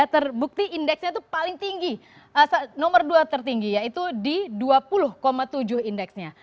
terbukti indeksnya itu paling tinggi nomor dua tertinggi yaitu di dua puluh tujuh indeksnya